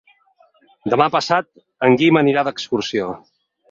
Demà passat en Guim anirà d'excursió.